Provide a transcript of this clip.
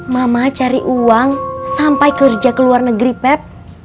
mama cari uang sampai kerja ke luar negeri pep